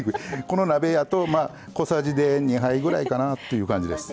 この鍋やとまあ小さじで２杯ぐらいかなっていう感じです。